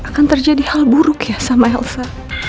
akan terjadi hal buruk ya sama elsa